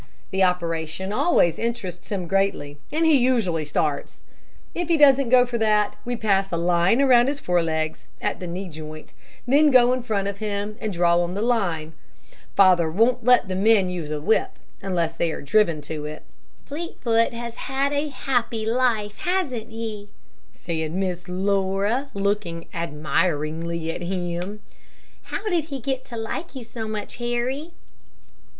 The operation always interests him greatly, and he usually starts. If he doesn't go for that, we pass a line round his forelegs, at the knee joint, then go in front of him and draw on the line. Father won't let the men use a whip, unless they are driven to it." "Fleetfoot has had a happy life, hasn't he?" said Miss Laura, looking admiringly at him. "How did he get to like you so much, Harry?"